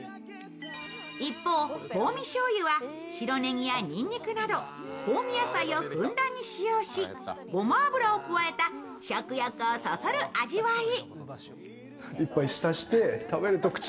一方、香味しょうゆは白ねぎやにんにくなど香味野菜をふんだんに使用しごま油を加えた食欲をそそる味わい。